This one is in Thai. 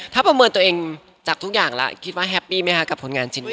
ถ้าประเมินตัวเองจากทุกอย่างแล้วคิดว่าแฮปปี้ไหมคะกับผลงานชิ้นนี้